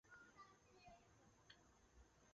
祖父王思与。